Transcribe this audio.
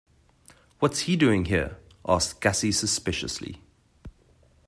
'What's he doing here?' asked Gussie suspiciously.